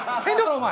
お前。